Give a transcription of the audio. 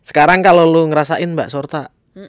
sekarang kalau lo ngerasain mbak sorta